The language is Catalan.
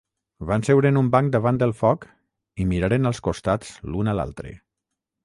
Van seure en un banc davant del foc i miraren als costats l'un a l'altre.